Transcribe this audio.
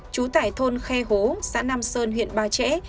chú tải thôn khe hố xã nam sơn huyện ba trẻ